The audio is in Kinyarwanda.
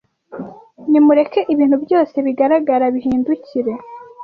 Nimureke ibintu byose bigaragara bihindukire